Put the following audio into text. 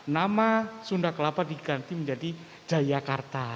nama sunda kelapa diganti menjadi jayakarta